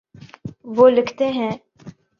وہ لکھتی ہیں